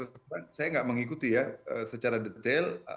saya tidak mengikuti ya secara detail